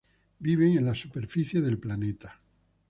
Viven en la superficie del planeta.